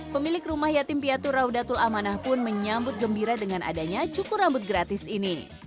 pemilik rumah yatim piatu raudatul amanah pun menyambut gembira dengan adanya cukur rambut gratis ini